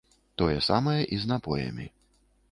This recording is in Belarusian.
Тое самае і з напоямі.